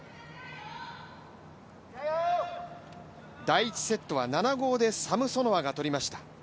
第１セットは７ー５でサムソノワが取りました。